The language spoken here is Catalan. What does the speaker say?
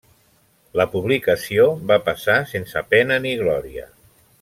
La publicació va passar sense pena ni glòria.